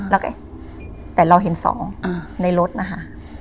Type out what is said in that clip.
แล้วก็แต่เราเห็นสองในรถนะคะ